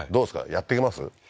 やっていけます？